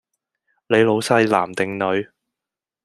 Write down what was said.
你老細男定女？